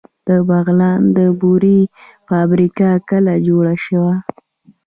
د بغلان د بورې فابریکه کله جوړه شوه؟